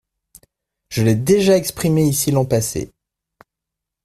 Je l'ai déjà exprimée ici l'an passé.